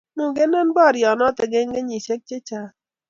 mukenan boryono eng kenyisiek chechang